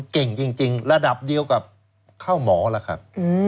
เก่งจริงระดับเดียวกับข้าวหมอล่ะครับ